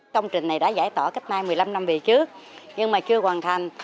công trình này đã giải tỏa cách nay một mươi năm năm về trước nhưng mà chưa hoàn thành